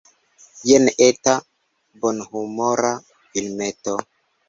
Jen eta bonhumora filmeto.